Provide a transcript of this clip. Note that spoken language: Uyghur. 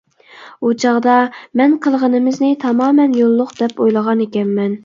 ئۇ چاغدا مەن قىلغىنىمىزنى تامامەن يوللۇق دەپ ئويلىغانىكەنمەن.